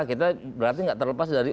kita berarti tidak terlepas dari